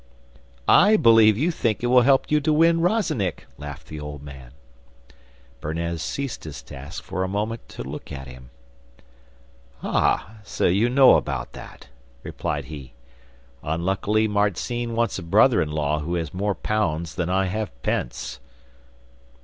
'I believe you think it will help you to win Rozennik,' laughed the old man. Bernez ceased his task for a moment to look at him. 'Ah, so you know about that,' replied he; 'unluckily Marzinne wants a brother in law who has more pounds than I have pence.